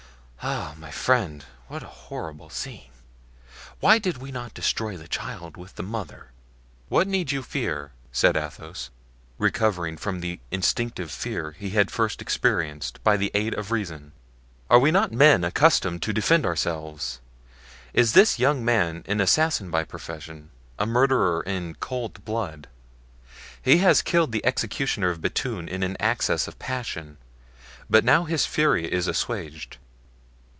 Ah! my friend! what a horrible scene! Why did we not destroy the child with the mother?" "What need you fear?" said Athos, recovering from the instinctive fear he had at first experienced, by the aid of reason; "are we not men accustomed to defend ourselves? Is this young man an assassin by profession—a murderer in cold blood? He has killed the executioner of Bethune in an access of passion, but now his fury is assuaged."